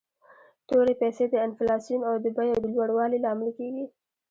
تورې پیسي د انفلاسیون او د بیو د لوړوالي لامل کیږي.